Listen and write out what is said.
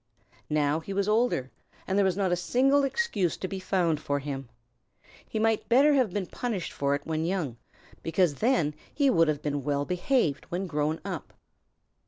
Now he was older and there was not a single excuse to be found for him. He might better have been punished for it when young, because then he would have been well behaved when grown up.